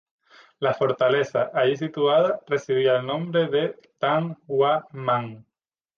La fortaleza allí situada recibía el nombre de "Tan Wa Man".